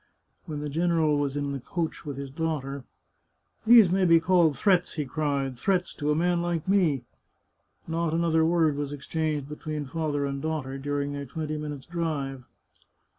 When the general was in his coach with his daughter —" These may be called threats," he cried. " Threats, to a man like me !" Not another word was exchanged between father and daughter during their twenty minutes' drive.